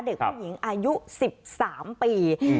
เด็กผู้หญิงอายุสิบสามปีอืม